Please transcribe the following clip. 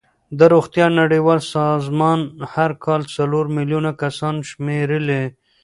د روغتیا نړیوال سازمان هر کال څلور میلیون کسان شمېرلې.